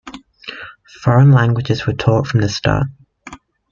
Foreign languages were taught from the start.